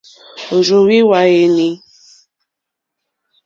Ò rzóhwì hwàèní.